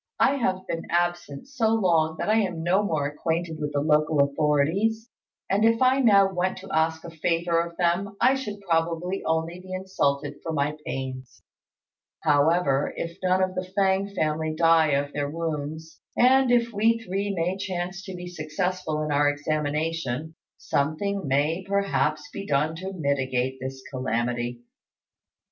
I have been absent so long that I am no more acquainted with the local authorities; and if I now went to ask a favour of them, I should probably only be insulted for my pains. However, if none of the Fêng family die of their wounds, and if we three may chance to be successful in our examination, something may perhaps be done to mitigate this calamity."